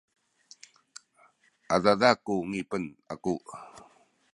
adada ku ngipen aku